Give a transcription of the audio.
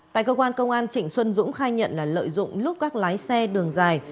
tại cơ quan công an trịnh xuân dũng khai nhận là lợi dụng lúc các lái xe đường dài